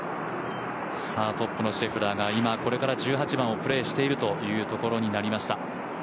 さあ、トップのシェフラーが今、これから１８番をプレーしているというところになりました。